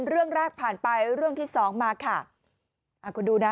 เรื่องแรกผ่านไปเรื่องที่สองมาค่ะอ่าคุณดูนะ